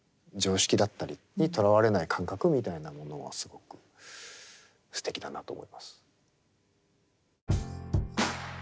常識だったりにとらわれない感覚みたいなものはすごくすてきだなと思います。